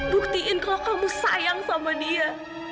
buktiin kalau kamu sayang sama dia